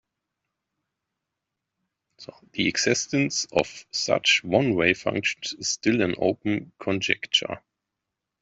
The existence of such one-way functions is still an open conjecture.